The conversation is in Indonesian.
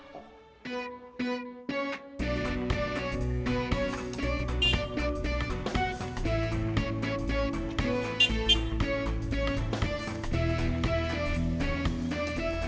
rupanya kalau dia gitu sungguh a